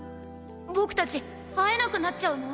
僕たち会えなくなっちゃうの？